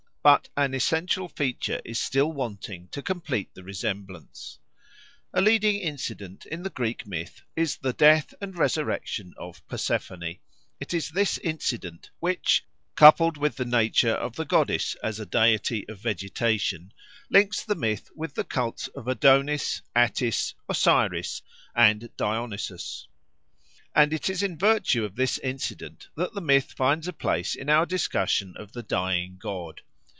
But an essential feature is still wanting to complete the resemblance. A leading incident in the Greek myth is the death and resurrection of Persephone; it is this incident which, coupled with the nature of the goddess as a deity of vegetation, links the myth with the cults of Adonis, Attis, Osiris, and Dionysus; and it is in virtue of this incident that the myth finds a place in our discussion of the Dying God.